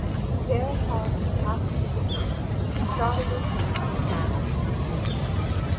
Thereupon, he passed through the gate, and saw the retainers in a mass coming to meet him.